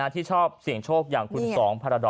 ที่ชอบเสี่ยงโชคอย่างคุณสองพาราดอก